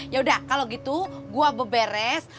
yaudah kalau gitu gua beberes